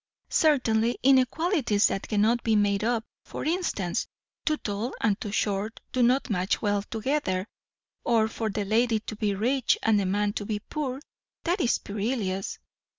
"Certainly inequalities that cannot be made up. For instance, too tall and too short do not match well together. Or for the lady to be rich and the man to be poor; that is perilous."